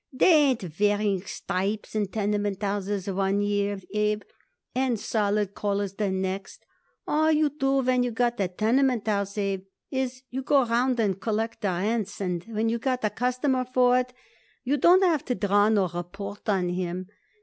They ain't wearing stripes in tenement houses one year, Abe, and solid colors the next. All you do when you got a tenement house, Abe, is to go round and collect the rents, and when you got a customer for it you don't have to draw no report on him.